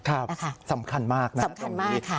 ครับสำคัญมากสำคัญมาก